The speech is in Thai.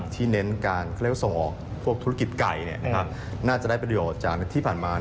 เน้นการเขาเรียกว่าส่งออกพวกธุรกิจไก่น่าจะได้ประโยชน์จากที่ผ่านมา